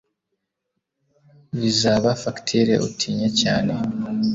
bizaba fagitire utinya cyane